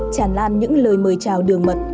chàn lan những lời mời chào đường mật